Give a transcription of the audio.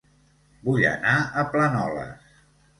Vull anar a Planoles